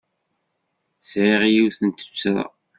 Sɛiɣ yiwet n tuttra.